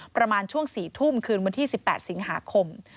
ประมาณช่วง๔ทุ่มคืนวันที่๑๘สิงหาคม